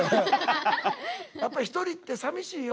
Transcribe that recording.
やっぱ一人ってさみしいよ。